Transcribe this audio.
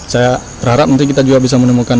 saya berharap nanti kita juga bisa menemukan